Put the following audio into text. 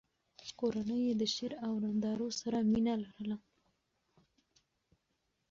کورنۍ یې د شعر او نندارو سره مینه لرله.